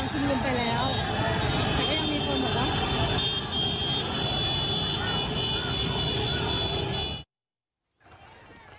คือเขาประกาศทะวัดยังชุมลุมไปแล้ว